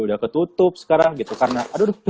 udah ketutup sekarang gitu karena aduh